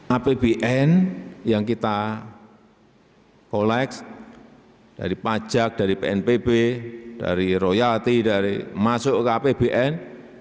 apbn yang kita koleks dari pajak dari pnpb dari royalti dari masuk ke apbn